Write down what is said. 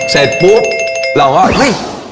เสร็จปุ๊บเราก็เฮ้ย